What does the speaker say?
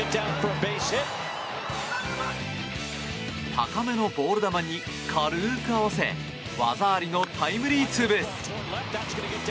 高めのボール球に軽く合わせ技ありのタイムリーツーベース。